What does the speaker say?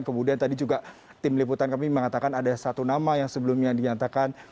kemudian tadi juga tim liputan kami mengatakan ada satu nama yang sebelumnya dinyatakan